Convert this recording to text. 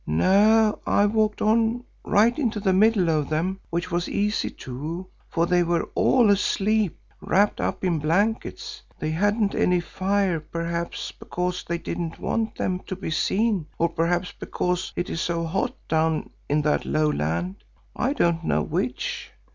No, I walked on right into the middle of them, which was easy too, for they were all asleep, wrapped up in blankets. They hadn't any fires perhaps because they didn't want them to be seen, or perhaps because it is so hot down in that low land, I don't know which.